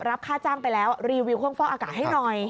รับค่าจ้างไปแล้วรีวิวเครื่องฟอกอากาศให้หน่อย